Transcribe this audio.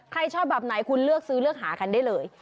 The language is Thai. ชอบแบบไหนคุณเลือกซื้อเลือกหากันได้เลย